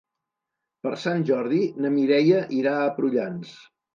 Per Sant Jordi na Mireia irà a Prullans.